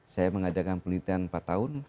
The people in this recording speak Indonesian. saya mengadakan penelitian empat tahun